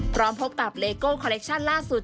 พร้อมพบกับเลโก้คอเล็กชั่นล่าสุด